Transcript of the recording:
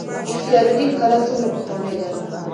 اختیار الدین کلا څومره پخوانۍ ده؟